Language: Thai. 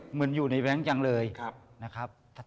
เหมือนอยู่ในแบงค์เหมือนอยู่ในแบงค์จังเลย